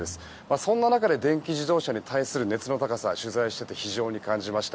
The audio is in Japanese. そんな中で電気自動車に対する熱の高さ取材していて非常に感じました。